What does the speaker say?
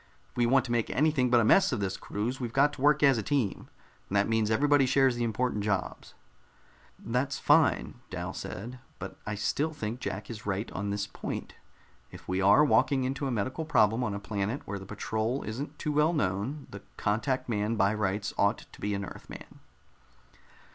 If we want to make anything but a mess of this cruise, we've got to work as a team, and that means everybody shares the important jobs." "That's fine," Dal said, "but I still think Jack is right on this point. If we are walking into a medical problem on a planet where the patrol isn't too well known, the contact man by rights ought to be an Earthman."